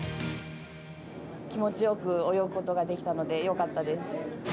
気持ちよく泳ぐことができたので、よかったです。